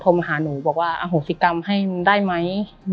มาหาหนูบอกว่าอโหสิกรรมให้ได้ไหม